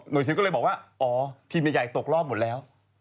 โดยซิมก็เลยบอกว่าอ๋อทีมใหญ่ตกรอบหมดแล้ว